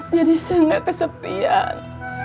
jadi saya gak kesepian